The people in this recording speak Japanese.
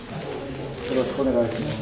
よろしくお願いします。